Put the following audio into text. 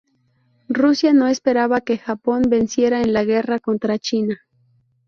Rusia no esperaba que Japón venciera en la guerra contra China.